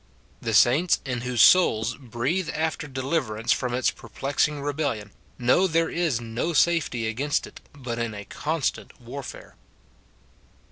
The saints, whose souls breathe after deliverance from its per plexing rebellion, know there is no safety against it, but in a constant warfare.